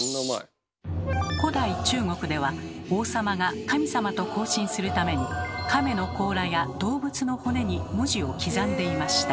古代中国では王様が神様と交信するために亀の甲羅や動物の骨に文字を刻んでいました。